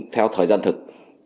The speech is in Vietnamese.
theo thời gian thực